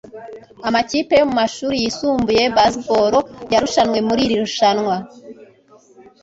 Amakipe yo mu mashuri yisumbuye ya baseball yarushanwe muri iri rushanwa.